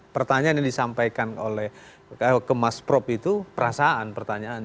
pertanyaan yang disampaikan oleh kemas prop itu perasaan pertanyaannya